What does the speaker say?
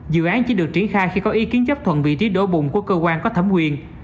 dự án chỉ được triển khai khi có ý kiến chấp thuận vị trí đổ bùng của cơ quan có thẩm quyền